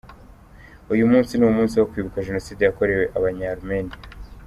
Uyu munsi ni umunsi wo kwibuka Jenoside yakorewe abanya-Armenia.